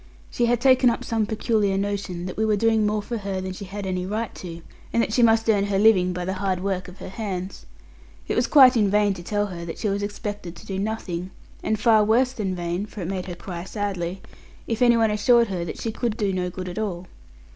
She had taken up some peculiar notion that we were doing more for her than she had any right to, and that she must earn her living by the hard work of her hands. It was quite in vain to tell her that she was expected to do nothing, and far worse than vain (for it made her cry sadly) if any one assured her that she could do no good at all.